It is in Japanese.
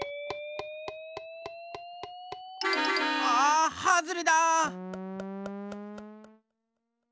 あはずれだ！